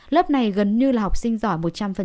lớp này gần như là học sinh giỏi một trăm linh